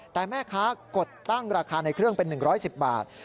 แต่แม่ค้ากดตั้งราคาในเครื่องเป็น๑๑๐บาท